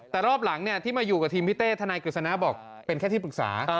แต่รอบหลังเนี่ยที่มาอยู่กับทีมพี่เต้ถันายกริจสรรคะบอกเป็นแค่ที่ปรึกษา